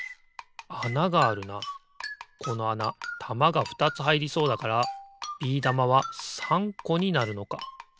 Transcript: このあなたまがふたつはいりそうだからビー玉は３こになるのか。